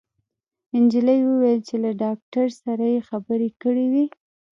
انجلۍ وويل چې له ډاکټر سره يې خبرې کړې وې